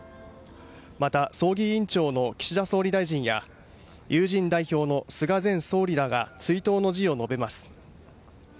また、葬儀委員長の岸田総理大臣や友人代表の菅前総理らが追悼の辞を述べます。